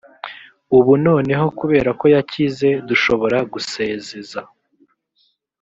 ubu noneho kubera ko yakize dushobora gusezeza